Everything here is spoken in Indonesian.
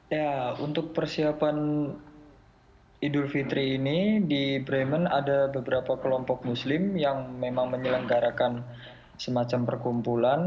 ya untuk persiapan idul fitri ini di bremen ada beberapa kelompok muslim yang memang menyelenggarakan semacam perkumpulan